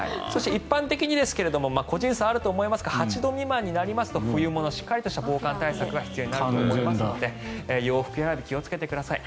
一般的に個人差はあると思いますが８度未満になりますと冬物、しっかりとした防寒対策が必要になると思いますので洋服選び気をつけてください。